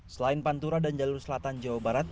selain pantura dan jalur selatan jawa barat